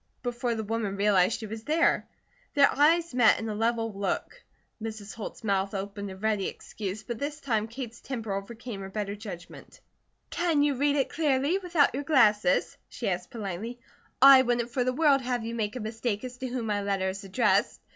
before the woman realized she was there. Their eyes met in a level look. Mrs. Holt's mouth opened in ready excuse, but this time Kate's temper overcame her better judgment. "Can you read it clearly, without your glasses?" she asked politely. "I wouldn't for the world have you make a mistake as to whom my letter is addressed.